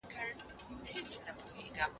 د راتلونکي لپاره ډېرې هیلې شته.